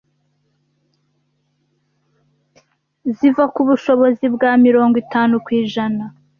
ziva ku bushobozi bwa mirongo itanu kwijana